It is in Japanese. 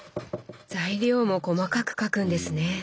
材料も細かく書くんですね。